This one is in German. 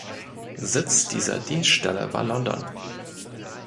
Sitz dieser Dienststelle war London.